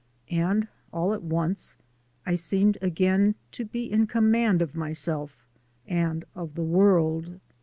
And all at once I seemed again to be in command of myself and of the world.